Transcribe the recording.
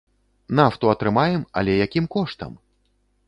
Нафту атрымаем, але якім коштам?